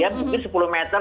ya mungkin sepuluh meter